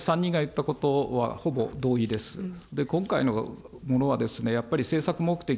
今まで３人が言ったことは、ほぼ同意です。